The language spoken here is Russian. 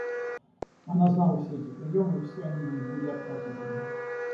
Она знала все эти приемы, и все они ей были отвратительны.